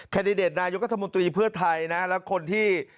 คันดิเดตนายกทมตรีเพื่อไทยนะครับและคนที่